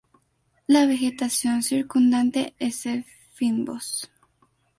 La vegetación circundante es el fynbos.